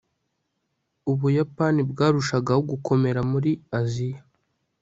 ubuyapani bwarushagaho gukomera muri aziya